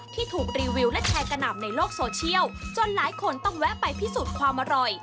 ที่ถูกรีวิวและแชร์กระหน่ำในโลกโซเชียลจนหลายคนต้องแวะไปพิสูจน์ความอร่อย